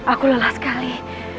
aku lelah sekali